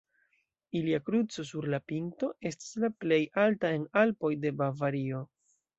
Ilia kruco sur la pinto estas la plej alta en Alpoj de Bavario.